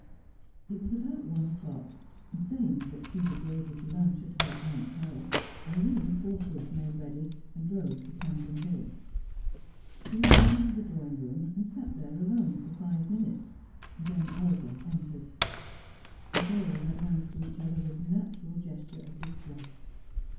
It was about one o'clock. Saying she would be able to lunch at her aunt's house, Irene forthwith made ready, and drove to Campden Hill. She was led into the drawing room, and sat there, alone, for five minutes; then Olga entered. The girls advanced to each other with a natural gesture of distress.